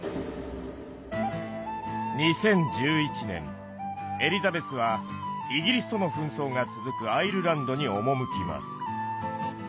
２０１１年エリザベスはイギリスとの紛争が続くアイルランドに赴きます。